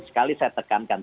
sekali saya tekankan